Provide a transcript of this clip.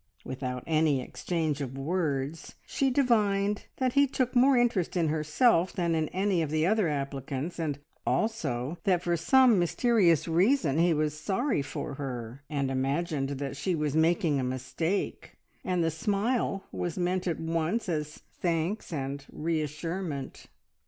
Without any exchange of words she divined that he took more interest in herself than in any of the other applicants, and also that for some mysterious reason he was sorry for her, and imagined that she was making a mistake, and the smile was meant at once as thanks and reassurement.